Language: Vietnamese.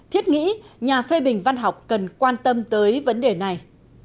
thiết nghĩ nhà phê bình văn học cần quan tâm tới vấn đề này